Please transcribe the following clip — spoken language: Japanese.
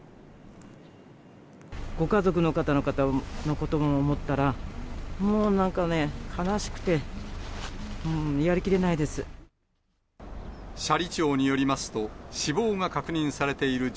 ご家族の方のことを思ったら、もうなんかね、悲しくて、やりきれないです。